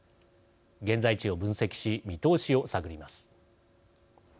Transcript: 現在地を分析し見通しを探ります。